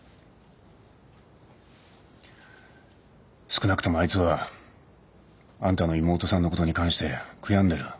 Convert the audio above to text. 少なくともあいつはあんたの妹さんのことに関して悔やんでる。